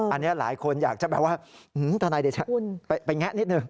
อันนี้หลายคนอยากจะแบบว่าทนายเดชาไปแงะนิดนึง